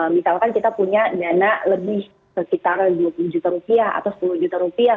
misalkan kita punya dana lebih sekitar dua puluh juta rupiah atau sepuluh juta rupiah